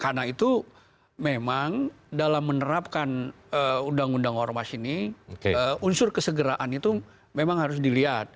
karena itu memang dalam menerapkan undang undang ormas ini unsur kesegeraan itu memang harus dilihat